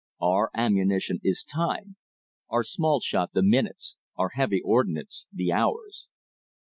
Our ammunition is Time; our small shot the minutes, our heavy ordnance the hours!"